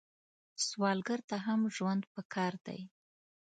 سوالګر ته هم ژوند پکار دی